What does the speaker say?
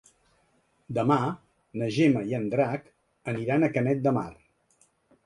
Demà na Gemma i en Drac aniran a Canet de Mar.